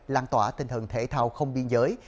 lan tỏa tinh thần thể thao không biên giới